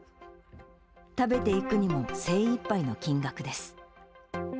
食べていくにも精いっぱいの金額です。